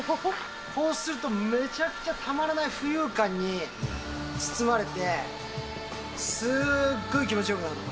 こうすると、めちゃくちゃたまらない浮遊感に包まれて、すっごい気持ちよくなるのね。